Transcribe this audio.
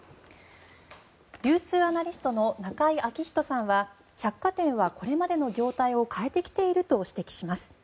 流通アナリストの中井彰人さんは百貨店はこれまでの業態を変えてきていると指摘します。